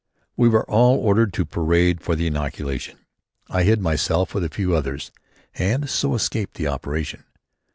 We were all ordered to parade for the inoculation. I hid myself with a few others and so escaped the operation.